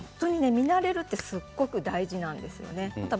見慣れるってすごい大事なんですよね。